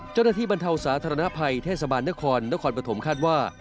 เจ้าหน้าที่บรรเทาสาธารณภัยเทศบาลนครนครปฐมคาดว่า